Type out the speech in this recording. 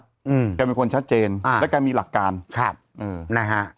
อืมแกเป็นคนชัดเจนอ่าแล้วแกมีหลักการครับอืมนะฮะ